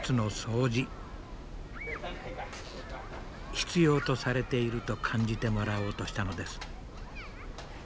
必要とされていると感じてもらおうとしたのです。